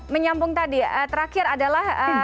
menyambung tadi terakhir adalah